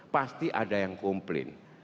pasti ada yang kumplin